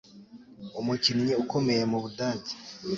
Umukinnyi ukomeye mu Budage